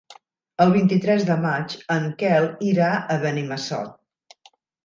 El vint-i-tres de maig en Quel irà a Benimassot.